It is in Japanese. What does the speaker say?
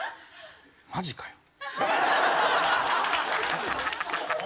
マジかよ。